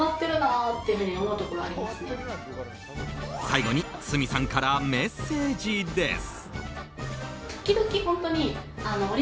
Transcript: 最後に鷲見さんからメッセージです。